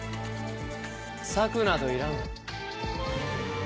策などいらん。